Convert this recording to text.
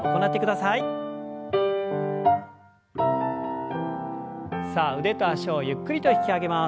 さあ腕と脚をゆっくりと引き上げます。